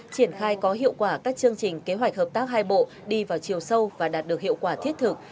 triển khai có hiệu quả các chương trình kế hoạch hợp tác hai bộ đi vào chiều sâu và đạt được hiệu quả thiết thực